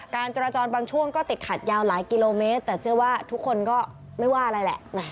จราจรบางช่วงก็ติดขัดยาวหลายกิโลเมตรแต่เชื่อว่าทุกคนก็ไม่ว่าอะไรแหละ